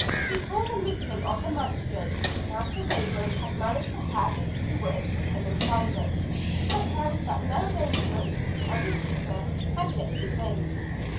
Before the meeting of the magistrates, Master Raymond had managed to have a few words with him in private, and found that no arrangements with any skipper had yet been made.